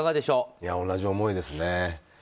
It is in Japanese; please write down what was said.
同じ思いですね。